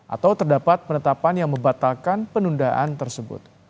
atau terdapat penetapan yang membatalkan penundaan tersebut